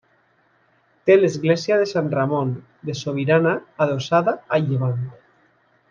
Té l'església de Sant Ramon de Sobirana adossada a llevant.